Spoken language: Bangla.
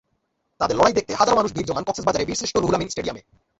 তাঁদের লড়াই দেখতে হাজারো মানুষ ভিড় জমান কক্সবাজারের বীরশ্রেষ্ঠ রুহুল আমিন স্টেডিয়ামে।